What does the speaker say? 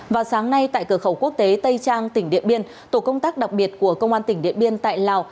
vào sáng nay tại cửa khẩu quốc tế tây trang tỉnh điện biên tổ công tác đặc biệt của công an tỉnh điện biên tại lào